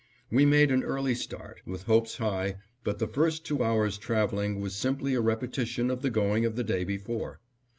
We made an early start, with hopes high; but the first two hours' traveling was simply a repetition of the going of the day before.